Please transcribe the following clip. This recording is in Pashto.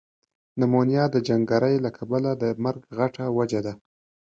نمونیا ده جنګری له کبله ده مرګ غټه وجه ده۔